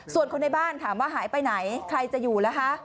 ส่วนคนในบ้านถามว่าหายไปไหนใครจะอยู่แล้วคะ